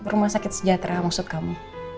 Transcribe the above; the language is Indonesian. rumah sakit sejahtera maksud kami